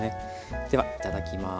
ではいただきます。